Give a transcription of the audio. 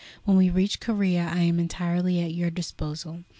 When we reach Corea I am entirely at your disposal.